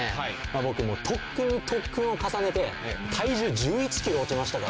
僕特訓に特訓を重ねて体重１１キロ落ちましたから。